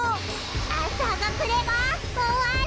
あさがくればおわる！